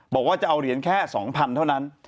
บอกว่าจะเอาเหรียญแค่๒๐๐เท่านั้น